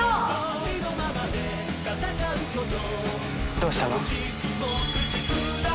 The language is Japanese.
どうしたの？